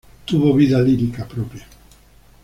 Tuvo vida lírica propia.